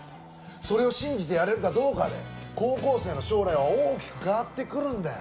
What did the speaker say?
それを信じてやれるかどうかで高校生の将来は大きく変わってくるんだよ。